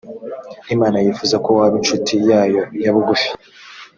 imana yifuza ko waba incuti yayo ya bugufi.